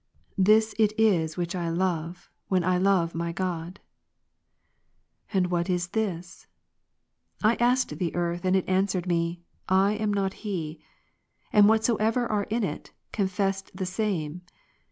This is it which I love, when I love my God. 9. And what is this? I asked "^ the earth, and it answered me, " I am not He ;" and whatsoever are in it, confessed the same.